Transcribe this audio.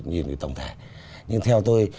nhìn tổng thể nhưng theo tôi